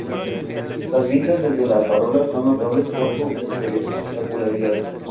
Las vistas desde La Farola son notables por su espectacularidad.